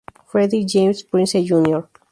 Freddie James Prinze Jr.